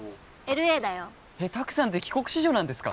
ＬＡだよえっ拓さんって帰国子女なんですか？